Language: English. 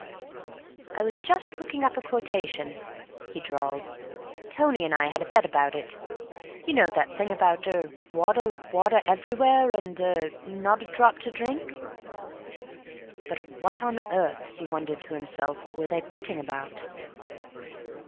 "I was just looking up a quotation," he drawled. "Tony and I had a bet about it. You know that thing about—er—water, water everywhere, and—er—not a drop to drink." (But what on earth, he wondered to himself, were they betting about?)